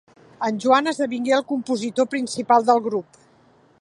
En Joan esdevingué el compositor principal del grup.